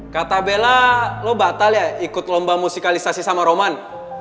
kata bella lo batal ya ikut lomba musikalisasi sama roman